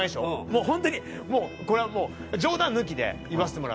もうホントにこれはもう冗談抜きで言わせてもらう。